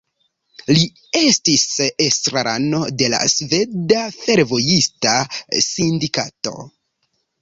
Li estis estrarano de la Sveda Fervojista Sindikato.